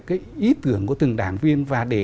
cái ý tưởng của từng đảng viên và để